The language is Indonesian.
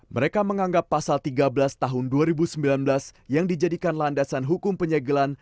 mereka menganggap pasal tiga belas tahun dua ribu sembilan belas yang dijadikan landasan hukum penyegelan